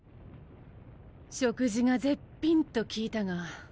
食事が絶品と聞いたが。